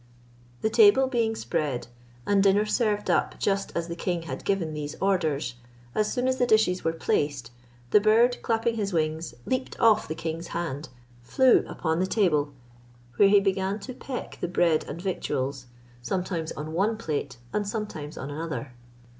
The table being spread, and dinner served up just as the king had given these orders, as soon as the dishes were placed, the bird, clapping his wings, leaped off the king's hand, flew upon the table, where he began to peck the bread and victuals, sometimes on one plate and sometimes on another.